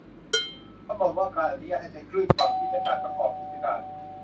กำหนดว่า การอนุญาตให้ใช้คลื่นความถี่ และ การประกอบกิจการ